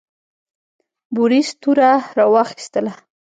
بوریس توره راواخیستله.